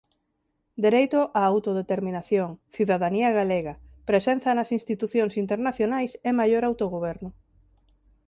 Dereito á autodeterminación, cidadanía galega, presenza nas institucións internacionais e maior autogoberno.